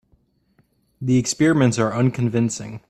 The experiments are unconvincing.